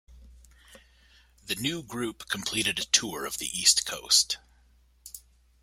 The new group completed a tour of the East Coast.